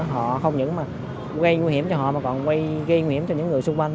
họ không những mà gây nguy hiểm cho họ mà còn gây nguy hiểm cho những người xung quanh